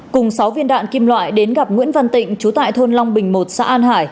cùng sáu viên đạn kim loại đến gặp nguyễn văn tịnh chú tại thôn long bình một xã an hải